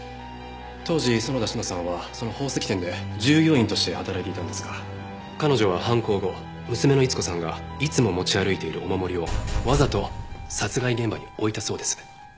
当時園田志乃さんはその宝石店で従業員として働いていたんですが彼女は犯行後娘の逸子さんがいつも持ち歩いているお守りをわざと殺害現場に置いたそうです。